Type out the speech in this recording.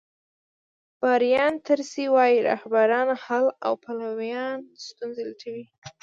برایان تریسي وایي رهبران حل او پلویان ستونزې لټوي.